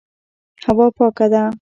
هوا پاکه ده.